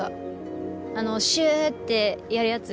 あのシュってやるやつ。